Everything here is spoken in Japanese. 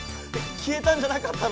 きえたんじゃなかったの？